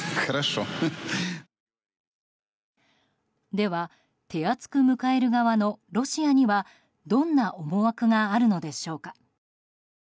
では、手厚く向かる側のロシアにはどんな思惑があるのでしょうか。